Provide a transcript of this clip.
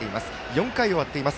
４回終わっています。